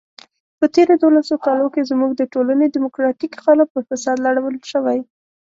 په تېرو دولسو کالو کې زموږ د ټولنې دیموکراتیک قالب په فساد لړل شوی.